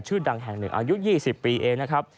ชื่อดังแห่งหนึ่งอายุ๒๐ปีเอง